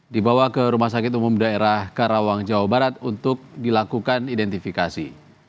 dibawa ke rumah sakit umum daerah karawang jawa barat untuk dilakukan identifikasi